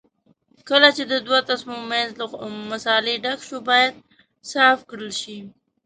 کله چې د دوو تسمو منځ له مسالې ډک شو باید صاف کړل شي.